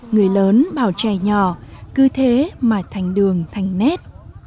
người lớn bảo trẻ nhỏ cứ thế mà thành đường thành nét